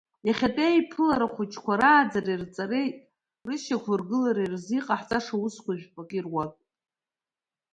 Иахьатәи аиԥылара аҳәыҷқәа рааӡареи рҵареи рышьақәгылареи рзы иҟаҳҵаша аусқәа жәпакы ируакуп.